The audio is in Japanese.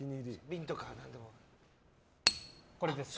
これです。